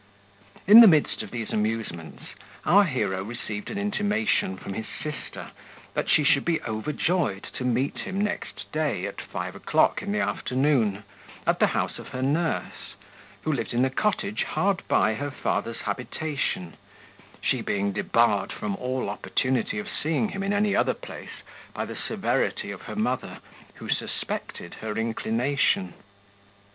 In the midst of these amusements, our hero received an intimation from his sister, that she should be overjoyed to meet him next day, at five o'clock in the afternoon, at the house of her nurse, who lived in a cottage hard by her father's habitation, she being debarred from all opportunity of seeing him in any other place by the severity of her mother, who suspected her inclination.